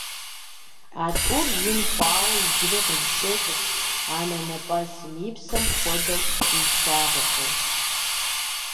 А тӀур ин хъуауэ, иджыри къришэкӀырт анэнэпӀэсым, и псэм хуэдэу илъагъухэу.